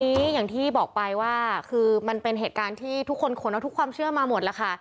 อย่างที่บอกไปว่าคือมันเป็นเหตุการณ์ที่ทุกคนขนเอาทุกความเชื่อมาหมดแล้วค่ะ